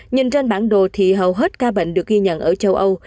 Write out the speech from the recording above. nhìn trên bản đồ thì hầu hết ca bệnh được ghi nhận ở châu âu